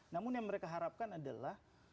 namun yang mereka harapkan adalah